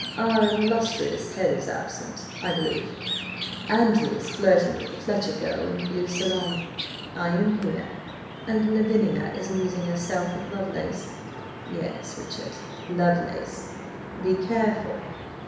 "Our illustrious head is absent, I believe. Andrew is flirting with the Fletcher girl in the Blue Salon; I am here, and Lavinia is amusing herself with Lovelace. Yes, Richard, Lovelace! Be careful!"